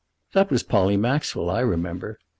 "That was Polly Maxwell. I remember.